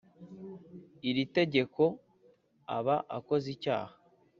iri tegeko aba akoze icyaha